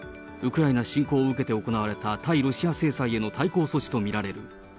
ウクライナ侵攻を受けて行われた対ロシア制裁への対抗措置と見ら